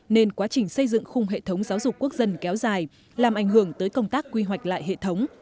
nên quá trình xây dựng khung hệ thống giáo dục quốc dân kéo dài làm ảnh hưởng tới công tác quy hoạch lại hệ thống